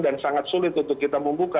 dan sangat sulit untuk kita membuka